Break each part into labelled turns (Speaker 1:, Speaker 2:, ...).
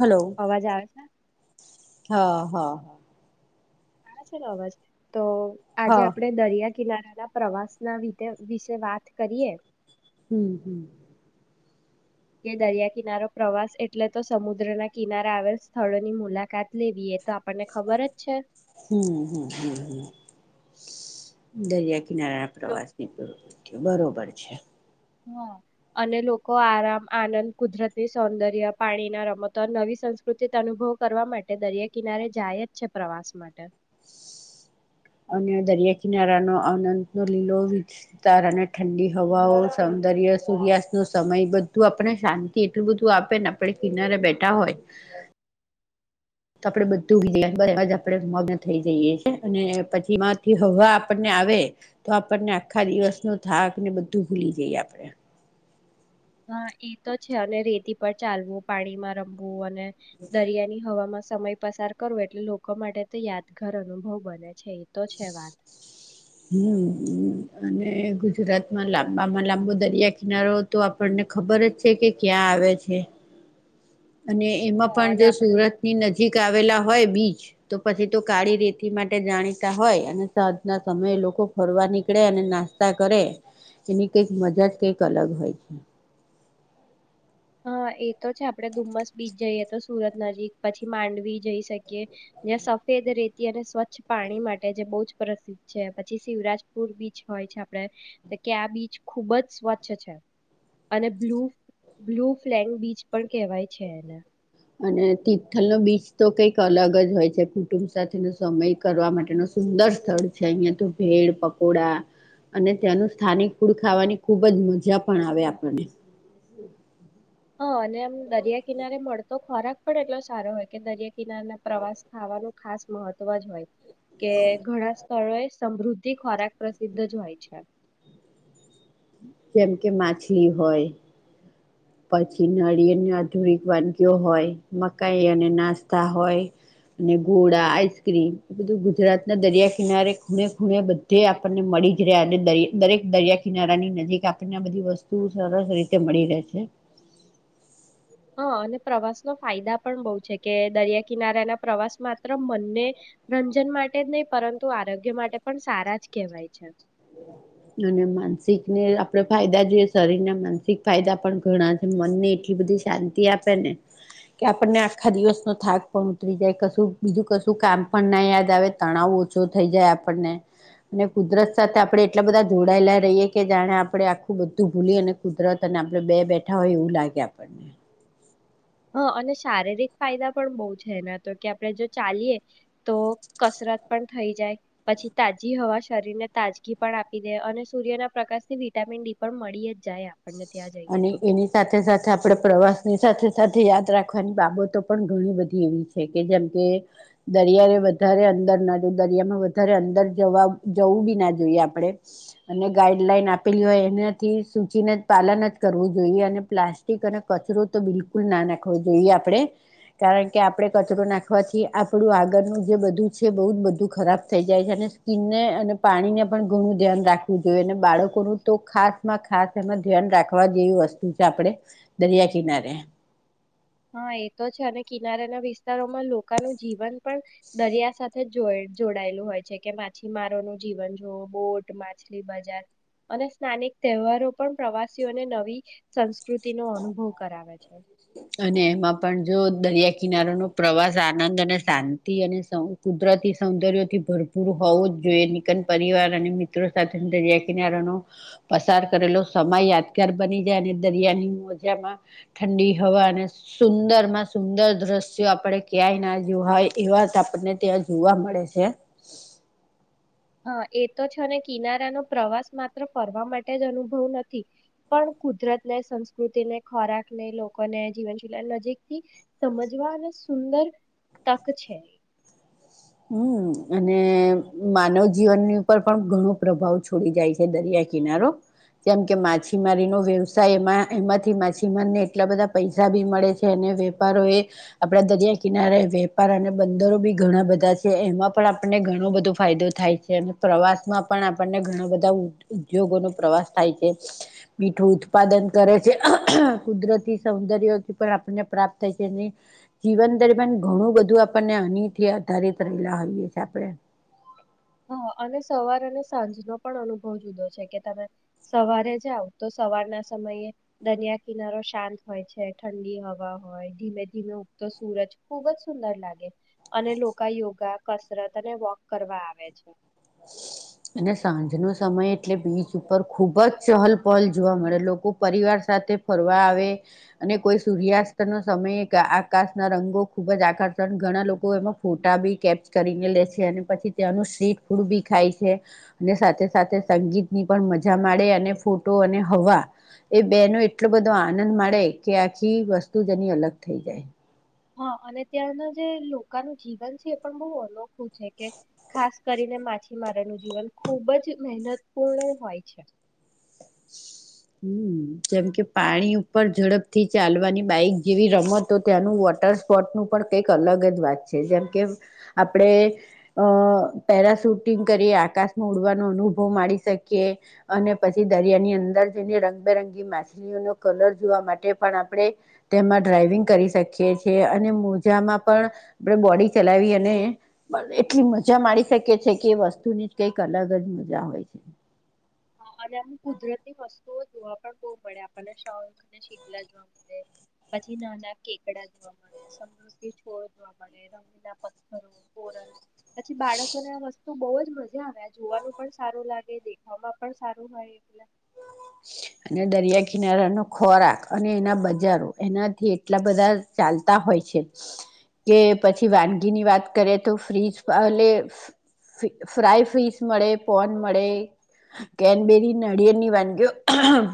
Speaker 1: Hello
Speaker 2: અવાજ આવે છે?
Speaker 1: હા હા.
Speaker 2: આ સેનો અવાજ? તો આજે
Speaker 1: હા
Speaker 2: આપડે દરિયા.. કિનારાના પ્રવાસના વિશે વાત કરીએ.
Speaker 1: હમ હમ.
Speaker 2: કે દરિયા કિનારો પ્રવાસ એટલે તો સમુદ્રના કિનારા આવેલ સ્થળોની મુલાકાત લેવીએ..
Speaker 1: [inaudible] હમ હમ હમ હમ દરિયા કિનારાના
Speaker 2: લો-
Speaker 1: પ્રવાસીની તો બરોબર છે.
Speaker 2: હા અને લોકો આરામ આનંદ કુદરતની સૌંદર્ય પાણી ના રમતો નવી સંસ્કૃતિ અનુભવ કરવા માટે દરિયા કિનારે જાય જ છે પ્રવાસ માટે
Speaker 1: અને દરિયા કિનારાનો અનંત નો લીલો વિતાર અને ઠંડી હવાઓ સૌંદર્ય સૂર્યાસ્ત નો સમય બધું આપને શાંતિ એટલું બધું આપે ને આપણે કિનારે બેઠા હોય. તો આપડે બધું ભ [unintelligible] જ આપણે મગ્ન થઈ જઈએ છી, અને પછીમાંથી હવા આપણને આવે તો આપણને આખા દિવસ ન થાક ને બધું ભૂલી જઈએ આપણે.
Speaker 2: હા એ તો છે અને રેતી પર ચાલવું પાણીમાં રમવું અને દરિયા ની હવામાં સમય પસાર કરવો એટલે લોકો માટે તો યાદગાર અનુભવ બને છે એ તો છે વાત
Speaker 1: હમ હમ. અને ગુજરાતમાં લાંબામાં લાંબો દરિયા કિનારો તો આપણને ખબર જ છે કે ક્યાં આવે છે. અને એમાં
Speaker 2: હા
Speaker 1: પણ
Speaker 2: અને
Speaker 1: જો
Speaker 2: આપણે
Speaker 1: સુરતની નજીક આવેલા હોય બીચ તો પછી તો કાળી રેતી માટે જાણીતા હોય અને સાંજના સમયે લોકો ફરવા નીકળે અને નાસ્તા કરે એની કંઈક મજા જ કંઈક અલગ હોય છે.
Speaker 2: હા એ તો છે આપણે ધુમ્મસ બીચ જઈએ તો સુરત નજીક પછી માંડવી જઈ શકીએ જ્યાં સફેદ રેતી અને સ્વચ્છ પાણી માટે જે બહુ જ પ્રસિદ્ધ છે પછી શિવરાજપુર બીચ હોય છે આપડે તો કે આ બીચ ખુબ જ સ્વચ્છ છે અને બ્લુ બ્લુ ફ્લેગ બીચ પણ કહેવાય છે એને.
Speaker 1: અને તિથલનો બીચ તો કંઈક અલગ જ હોય છે કુટુંબ સાથેનો સમય કરવા માટેનું સુંદર સ્થળ છે અહિયાં તો ભેડ પકોડા અને ત્યાંનું સ્થાનિક ફૂડ ખાવાની ખુબ જ મજા પણ આવે આપણને.
Speaker 2: હ અને એમ દરિયા કિનારે મળ તો ખોરાક પણ એટલો સારો હોય કે દરિયા કિનારા ના પ્રવાસ ખાવાનું ખાસ મહત્વ જ હોય. કે ઘણા સ્થળોએ સમૃદ્ધિ ખોરાક પ્રસિદ્ધ જ હોય છે.
Speaker 1: જેમ કે માછલી હોય. પછી નળી અને આધુરિક વાનગીઓ હોય મકાઈ અને નાસ્તા હોય અને ઘોડા આઈસ્ક્રીમ એ બધું ગુજરાત ના દરિયા કિનારે ખૂણે ખૂણે બધે આપણને મળી જ રહ્યા અને દરેક દરિયા કિનારાની નજીક આપણને આ બધી વસ્તુ સરસ રીતે મળી રહે છે.
Speaker 2: હા અને પ્રવાસનો ફાયદા પણ બહુ છે કે દરિયા કિનારાના પ્રવાસ માત્ર મનને રંજન માટે જ નહીં પરંતુ આરોગ્ય માટે પણ સારા જ કહેવાય છે.
Speaker 1: અને માનસિકને આપણે ફાયદા જોઈએ શરીર ના માનસિક ફાયદા પણ ઘણા છે મનને એટલી બધી શાંતિ આપે ને કે આપણને આખા દિવસનો થાક પણ ઉતરી જાય કશું બીજું કશું કામ પણ ના યાદ આવે તણાવ ઓછો થઈ જાય આપણને અને કુદરત સાથે આપણે એટલા બધા જોડાયેલા રહીએ કે જાણે આપણે આખું બધું ભૂલી અને કુદરત અને આપણે બે બેઠા હોય એવું લાગે આપણને
Speaker 2: હ અને શારીરિક ફાયદા પણ બહ છે એના તો કે આપણે જો ચાલીએ તો કસરત પણ થઈ જાય પછી તાજી હવા શરીરને તાજગી પણ આપી દે અને સૂર્યના પ્રકાશ થી વિટામીન ડી પણ મળી જ જાય. આપણને ત્યાં જઈએ
Speaker 1: અને
Speaker 2: તો
Speaker 1: એની સાથે સાથે આપડે પ્રવાસની સાથે સાથે યાદ રાખવાની બાબતો પણ ઘણી બધી એવી છે કે જેમ કે દરિયાએ વધારે અંદર ના જો દરિયામાં વધારે અંદર જવા જવું બી ના જોઈએ આપણેે અને ગાઈડલાઈન આપેલી હોય એનાથી સૂચિના પાલન કરવું જોઈએ અને પ્લાસ્ટિક અને કચરો તો બિલકુલ ના નાખવો જોઈએ આપણે કારણ કે આપડે કચરો નાખવાથી આપણું આગળનું જે બધું છે બહુ જ બધું ખરાબ થઈ જાય છે અને સ્કીિનને અને પાણીને પણ ઘણું ધ્યાન રાખવું જોઈએ અને બાળકોનું તો ખાસ માં ખાસ એમાં ધ્યાન રાખ. ખવા જેવી વસ્તુ છે આપડે દરિયા કિનારે.
Speaker 2: હા એ તો છે અને કિનારાના વિસ્તારોમાં લોકોનું જીવન પણ દરિયા સાથે જોડાયેલું હોય છે કે માછીમારોનું જીવન જોવ બોટ માછલી બજાર અને સ્થાનિક તહેવારો પણ પ્રવાસીઓને નવી પ્રકૃતિનો અનુભવ કરાવે છે.
Speaker 1: અને એમાં પણ જો દરિયા કિનારોનો પ્રવાસ આનંદ અને શાંતિ અને કુદરતી સૌંદર્યથી ભરપૂર હોવો જ જોઈએ નિકન પરિવાર અને મિત્રો સાથે દરિયા કિનારાનો પસાર કરેલો સમય યાદગાર બની જાય અને દરિયાની મજામાં ઠંડી હવા અને સુંદર માં સુંદર દ્રશ્યો આપણે ક્યાંય ના જો હોય એ વાત આપણને ત્યાં જોવા મળે છે.
Speaker 2: હા
Speaker 1: હમ અને માનવ જીવનની ઉપર પણ ઘણો પ્રભાવ છોડી જાય છે દરિયા કિનારો જેમ કે માછીમારીનો વ્યવસાય એમાં એમાંથી માછીમારીને એટલા બધા પૈસા ભી મળે છે અને વેપારો એ આપડા દરિયા કિનારે એ વેપાર અને બંદરો બી ઘણા બધા છે. એમાં પણ આપણને ઘણો બધો ફાયદો થાય છે અને પ્રવાસ માં પણ આપણને ઘણા બધા ઉદ્યોગોનો પ્રવાસ થાય છે મીઠું ઉત્પાદન કરે છે કુદરતી સૌંદર્યથી પણ આપણને પ્રાપ્ત થાય છે અને જીવન દરમિયાન ઘણું બધું આપણને હનથી આધારિત. રેલા હોઈએ છેએ આપડે
Speaker 2: હ અને સવાર અને સાંજ ન પણ અનુભવ જુદો છે કે તમે સવારે જાવ તો સવારના સમયે દનિયા કિનારો શાંત હોય છે ઠંડી હવા હોય ધીમે ધીમે ઉગતો સૂરજ ખુબ જ સુંદર લાગે અને લોકો યોગા કસરત અને વોક કરવા આવે છે. અચ્છા.
Speaker 1: અને સાંજ નો સમય એટલે બીચ ઉપર ખુબ જ ચહલ પહલ જોવા મળે લોકો પરિવાર સાથે ફરવા આવે અને કોઈ સૂર્યાસ્ત નો સમય આકાશ ના રંગો ખુબ જ આકર્ષણ ઘણા લોકો એમાં ફોટા બી કેપચ કરીને લેશે અને પછી ત્યાંનું સી ડું બી ખાય છે અને સાથે સાથે સંગીત ની પણ મજા માને અને ફોટો અને હવા એ બેનો એટલો બધો આનંદ મળે કે આખી વસ્તુ જેની અલગ થઈ જાય.
Speaker 2: હા અને ત્યાંના જે લોકા નું જીવન છે એ પણ બહુ અનોખું છે કે ખાસ કરીને માછીમારોનું જીવન ખૂબ જ મહેનતપૂર્ણ હોય છે.
Speaker 1: હમ જેમ કે પાણી ઉપર ઝડપથી ચાલવાની બાઈક જેવી રમતો ત્યાંનું વોટર સ્પોર્ટ નું પણ કઈક અલગ જ વાત છે જેમ કે આપડે અ પેરાશૂટિંગ કરી આકાશમાં ઉડવાનો અનુભવ માણી શકીએ અને પછી દરિયાની અંદર. તેને રંગબેરંગી માછલીઓનો કલર જોવા માટે પણ આપણે તેમાં ડ્રાઈવિંગ કરી શકીએ છીએ અને મોજામાં પણ આપ બોડી ચલાવી અને એટલી મજા માણી શકીએ છી કે વસ્તુની જ કઈક અલગ જ મજા હોય છે.
Speaker 2: હ અને આમ કુદરતી વસ્તુઓ જોવા પણ બહુ મળે આપણને શોખ ને શીલા જોવા મળે પછી નાના કેકડા જોવા મળે સમૃદ્ધ છોડ જોવા મળે રંગના પથ્થરો કોરલ. પછી બાળ તો બહુ જ મજા આવે આ જોવાનું પણ સારું લાગે દેખવામાં. પણ સારું હોય એટલે.
Speaker 1: અને દરિયા કિનારાનો ખોરાક અને એના બજારો એનાથી એટલા બધા ચાલતા હોય છે કે પછી વાનગીની વાત કરીએ તો ફ્રીજ એલે ફ્રાય ફ્રીજ મળે પોન મળે કેનબેરી નળિયેળની વાનગીઓ.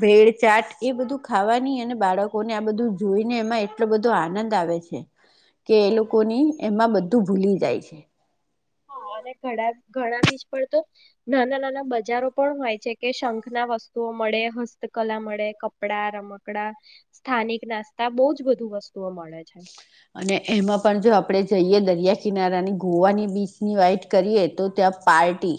Speaker 1: ભેળ ચાટ એ બધું ખાવાની અને બાળકોને આ બધું જોઈને એમાં એટલો બધો આનંદ આવે છે કે એ લોકોની એમાં બધું ભૂલી જાય છે.
Speaker 2: હ અને ઘણા ઘણા બીજ પર તો નાના નાના બજારો પણ હોય છે કે શંખ ના વસ્તુઓ મળે હસ્તકલા મળે કપડા રમકડા સ્થાનિક નાસ્તા બહુ જ બધું વસ્તુઓ મળે છે.
Speaker 1: અને એમાં પણ જો આપણે જઈએ દરિયા કિનારાની ગોવાની બીચની વાઈટ કરીએ તો ત્યાં પાર્ટી.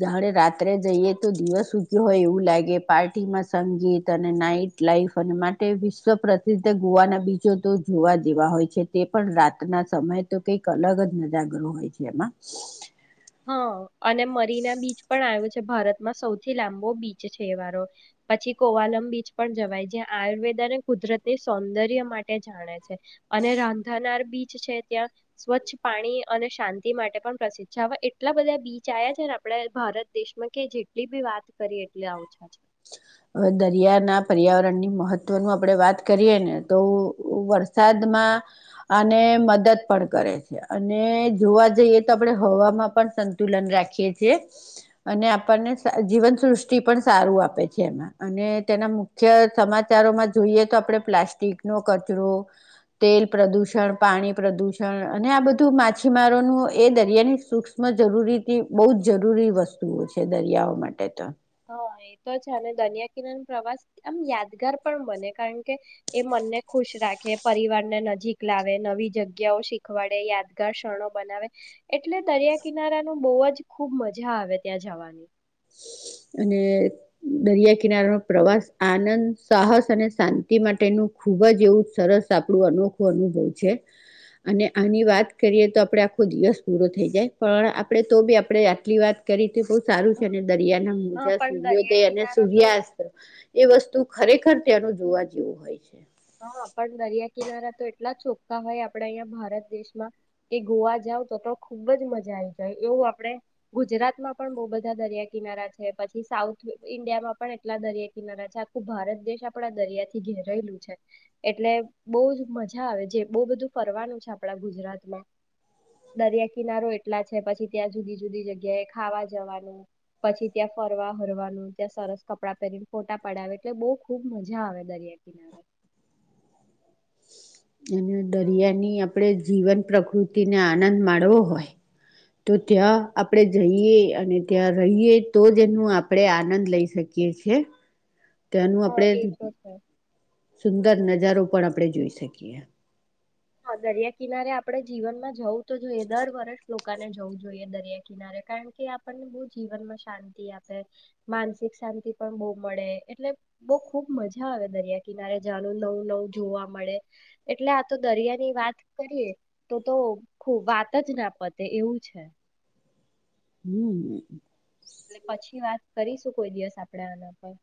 Speaker 1: જાણે રાત્રે જઈએ તો દિવસ ઉગ્યો હોય એવું લાગે પાર્ટીમાં સંગીત અને નાઈટ લાઈફ અને માટે વિશ્વ પ્રસિદ્ધ ગોવાના બીજો તો જોવા જેવા હોય છે તે પણ રાતના સમય તો કઈક અલગ જ નજાગ્ર હોય છે એમાં.
Speaker 2: હા અને મરીના બીચ પણ આવ્યું છે ભારતમાં સૌથી લાંબો બીચ છે એ વારોો પછી કોવાલમ બીચ પણ જવાય જ્યાં આયુર્વેદને કુદરતની સૌંદર્ય માટે જાણે છે અને રાંધાનાર બીચ છે ત્યાં સ્વચ્છ પાણી અને શાંતિ માટે પણ પ્રસિદ્ધ છે હવે. આટલા બધા બીચ આવ્યા છે ને આપણેે ભારત દેશમાં કે જેટલી બી વાત કરીએ એટલે ઓછા છે.
Speaker 1: હવે દરિયાના પર્યાવરણની મહત્વનું આપણેે વાત કરીએ ને તો વરસાદમાં આને મદદ પણ કરે છે અને જોવા જઈએ તો આપણે હવામાં પણ સંતુલન રાખીએ છીએ અને આપણને જીવન સૃષ્ટિ પણ સારું આપે. આપે છે એમાં અને તેના મુખ્ય સમાચારોમાં જોઈએ તો આપણે પ્લાસ્ટિકનોો કચરો તેલ પ્રદુષણ પાણી પ્રદુષણ અને આ બધું માછીમારોનું એ દરિયાની સૂક્ષ્મ જરૂરી બહુ જ જરૂરી વસ્તુઓ છે દરિયાઓ માટે તો.
Speaker 2: હા એ તો છે અને દરિયા કિનારાનો પ્રવાસ આમ યાદગાર પણ બને કારણ કે એ મનને ખુશ રાખે પરિવારને નજીક લાવે નવી જગ્યાઓ શીખવાડે યાદગાર ક્ષણો બનાવે એટલે દરિયા કિનારાનું બહુ જ ખૂબ મજા આવે ત્યાં જવાની.
Speaker 1: અને દરિયા કિનારાનો પ્રવાસ આનંદ સાહસ અને શાંતિ માટેનું ખૂબ જ એવું સરસ આપણું અનોખું અનુભવ છે. અને આની વાત કરીએ તો આપડણે આખો દિવસ પૂરો થઈ જાય પણ આપણેે તો બી આપણે આટલી વાત કરી બહુ સારું છે અને દરિયા ના
Speaker 2: હા
Speaker 1: જા
Speaker 2: પણ
Speaker 1: સૂર્યોદય
Speaker 2: દરિયા
Speaker 1: અને
Speaker 2: કિનારો તો
Speaker 1: સૂર્યાસ્ત્ર એ વસ્તુ ખરેખર તેનું જોવા જેવું હોય છે.
Speaker 2: હા પણ દરિયા કિનારા તો એટલા ચોખ્ખા હોય આપણે અહંયા ભારત દેશમાં કે ગોવા જાવ તો તો ખુબ જ મજા આવી જાય એવું આપણે ગુજરાતમાં પણ બહુ બધા દરિયા કિનારા છે. પછી સાઉથ ઈન્ડિયામાં પણ એટલા દરિયા કિનારા છે. આખું ભારત દેશ આપણે આ દરિયા થી ઘેરાયલું છે. એટલે બહ જ મજા આવે જે બહુ બધું ફરવાનું છે આપડા ગુજરાતમાં દરિયા કિનારો એટલા છે પછી ત્યાં જુદી જુદી જગ્યાએ ખાવા જવાનું, પછી ત્યાં ફરવા ફરવાનું, ત્યાં સરસ કપડાં પહેરીને ફોટા પડે એટલે બહુ ખુબ મજા આવે દરિયા કિનારે.
Speaker 1: હમ્મ દરિયાની આપણે જીવન પ્રકૃતિને આનંદ માણવો હોય તો ત્યાં આપણે જઈએ અને ત્યાં રહીએ તો જ એનું આપણે આનંદ લઈ શકીએ છીએ. ત્યાં નું
Speaker 2: હ એ
Speaker 1: આપણે.
Speaker 2: તો છે.
Speaker 1: સુંદર નજારો પણ આપણે જોઈ શકીએ.
Speaker 2: હા દરિયા કિનારે આપડે જીવનમાં જવું તો જોઈએ દર વર્ષ લોકોને જવું જોઈએ દરિયા કિનારે કારણ કે આપણને બહુ જીવનમાં શાંતિ આપે માનસિક શાંતિ પણ બહુ મળે એટલે બહુ ખુબ મજા આવે દરિયા કિનારે જનું નવું નવું જોવા મળે. એટલે આ તો દરિયા ની વાત કરીએ તો તો ખૂ વાત જ ના પત ને એવું છે.
Speaker 1: હમ્મ.
Speaker 2: એટલે પછી વાત કરીશું કોઈ દિવસ આપડે આના પર